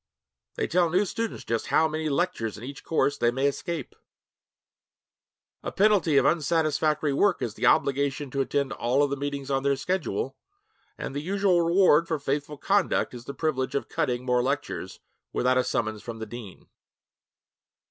They tell new students just how many lectures in each course they may escape. A penalty of unsatisfactory work is the obligation to attend all the meetings on their schedule, and the usual reward for faithful conduct is the privilege of 'cutting' more lectures without a summons from the dean.